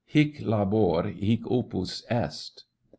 Sic labor, hie opus est